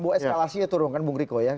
bahwa eskalasinya turun kan bung riko ya